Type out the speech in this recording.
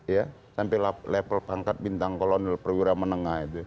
ya sampai level pangkat bintang kolonel perwira menengah itu